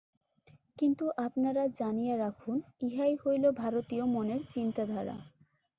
কিন্তু আপনারা জানিয়া রাখুন, ইহাই হইল ভারতীয় মনের চিন্তাধারা।